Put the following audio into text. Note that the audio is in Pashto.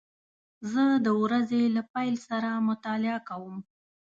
زه د ورځې له پیل سره مطالعه کوم.